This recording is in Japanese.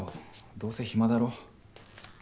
どうせ暇だろ。